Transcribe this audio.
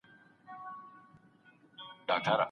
ما ورته وويل چي ولي دي د ځان سره جڼ جڼ دی ؟